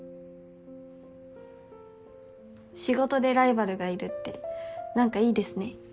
仕事でライバルがいるってなんかいいですね。